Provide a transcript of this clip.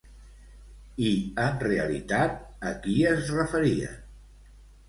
I en realitat a qui es referien?